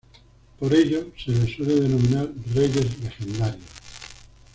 Por ello se les suele denominar "reyes legendarios".